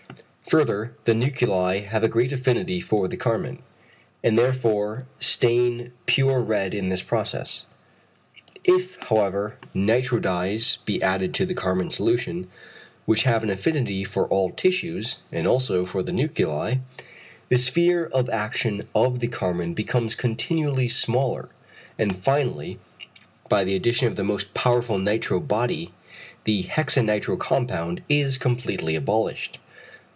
Further, the nuclei have a great affinity for the carmine, and therefore stain pure red in this process. If, however, nitro dyes be added to the carmine solution, which have an affinity for all tissues, and also for the nuclei, the sphere of action of the carmine becomes continually smaller, and finally by the addition of the most powerful nitro body, the hexa nitro compound, is completely abolished.